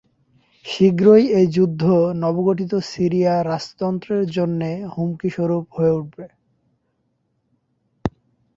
শীঘ্রই এই যুদ্ধ নবগঠিত সিরিয়ার রাজতন্ত্রের জন্য হুমকিস্বরূপ হয়ে উঠে।